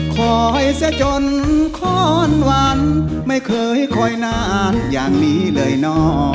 คอยเสียจนค้อนวันไม่เคยคอยนานอย่างนี้เลยเนาะ